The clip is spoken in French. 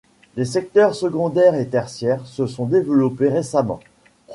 Les secteurs secondaires et tertiaires se sont développés récemment.